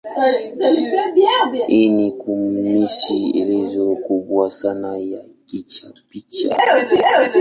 Hii ni kamusi elezo kubwa sana ya kuchapishwa.